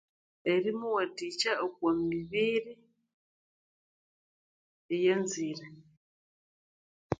Erimuwathikya okwamibiri eyanzire